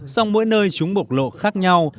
song mỗi nơi chúng bộc lộ khác nhau